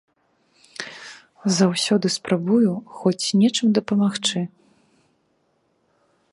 Заўсёды спрабую хоць нечым дапамагчы.